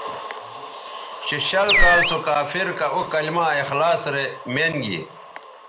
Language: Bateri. چہ شل کال سو کافر کہ او کلما اخلاص رے مین گی